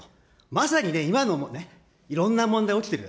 まさに今のもね、いろんな問題起きてる。